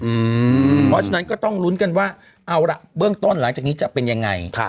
เพราะฉะนั้นก็ต้องลุ้นกันว่าเอาล่ะเบื้องต้นหลังจากนี้จะเป็นยังไง